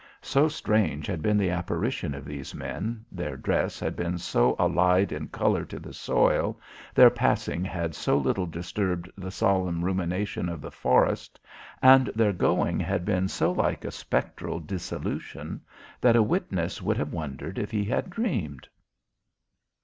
So strange had been the apparition of these men, their dress had been so allied in colour to the soil, their passing had so little disturbed the solemn rumination of the forest, and their going had been so like a spectral dissolution, that a witness could have wondered if he dreamed.